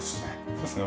そうですね。